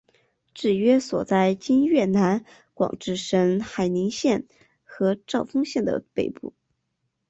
治所约在今越南广治省海陵县和肇丰县的北部。